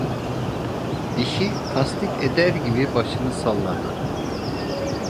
Dişi tasdik eder gibi başını salladı.